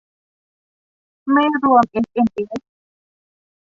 ไม่รวมเอ็มเอ็มเอส